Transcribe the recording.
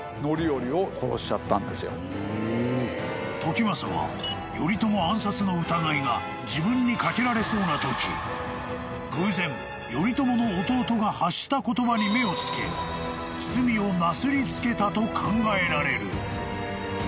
［時政は頼朝暗殺の疑いが自分にかけられそうなとき偶然頼朝の弟が発した言葉に目をつけ罪をなすり付けたと考えられる］